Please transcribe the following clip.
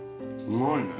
うまいね。